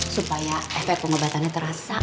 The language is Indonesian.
supaya efek pengobatannya terasa